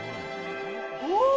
お！